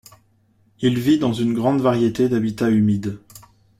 Il vit dans une grande variété d'habitats humides.